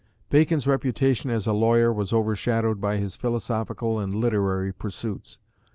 Bacon's reputation as a lawyer was overshadowed by his philosophical and literary pursuits.